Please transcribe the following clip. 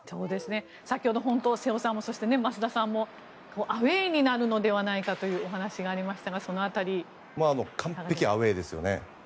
先ほど瀬尾さんも増田さんもアウェーになるのではないかというお話がありましたが完璧にアウェーですね。